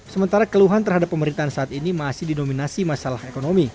sementara keluhan terhadap pemerintahan saat ini masih didominasi masalah ekonomi